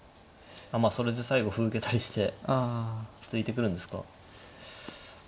まあそれで最後歩受けたりして突いてくるんですか。